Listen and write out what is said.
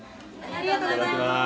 ありがとうございます。